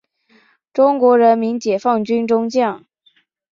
中国人民解放军中将。